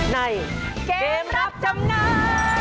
ในเกมรับจำนำ